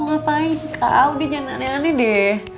mau ngapain kak udah jangan aneh aneh deh